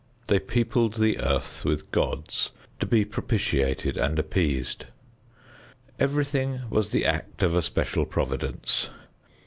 They peopled the earth with gods to be propitiated and appeased. Everything was the act of a special providence.